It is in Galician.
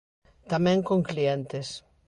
Tamén con clientes.